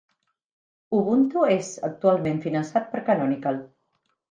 Ubuntu és actualment finançat per Canonical